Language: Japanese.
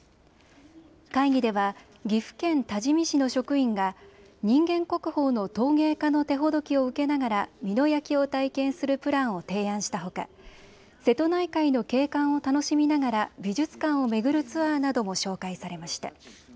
会議では岐阜県多治見市の職員が人間国宝の陶芸家の手ほどきを受けながら美濃焼を体験するプランを提案したほか瀬戸内海の景観を楽しみながら美術館を巡るツアーなども紹介されました。